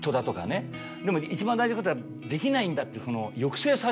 でも一番大事なことはできないんだって。